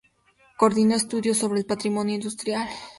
Coordinó estudios sobre el patrimonio industrial.